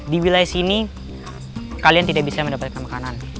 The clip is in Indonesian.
di wilayah sini kalian tidak bisa mendapatkan makanan